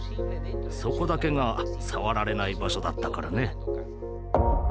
そこだけが触られない場所だったからね。